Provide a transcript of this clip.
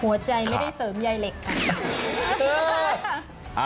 หัวใจไม่ได้เสริมใยเหล็กค่ะ